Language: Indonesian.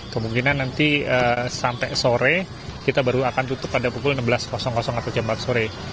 kemungkinan nanti sampai sore kita baru akan tutup pada pukul enam belas atau jam empat sore